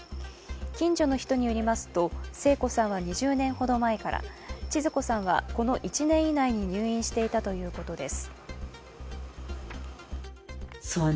近所の人によりますと、聖子さんは２０年ほど前から、ちづ子さんはこの１年以内に入院していたということです。